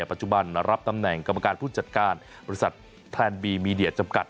ปัจจุบันรับตำแหน่งกรรมการผู้จัดการบริษัทแทนบีมีเดียจำกัด